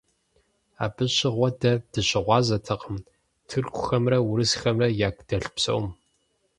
Абы щыгъуэ дэ дыщыгъуазэтэкъым тыркухэмрэ урысхэмрэ яку дэлъ псом.